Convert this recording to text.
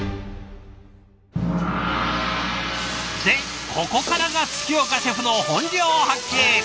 でここからが月岡シェフの本領発揮。